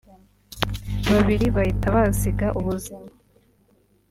babiri bahita bahasiga ubuzima